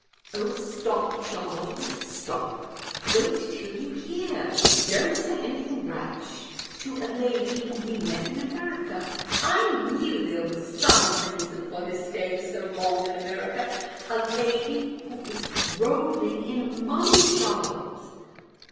" Oh, stop, Charles, stop ! wait till you hear. Don't say anything rash. To a lady whom he met in America (I knew there was some reason for his staying so long in America) a lady who is rolling in money, Charles